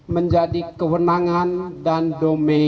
menjadi kewenangan dan domain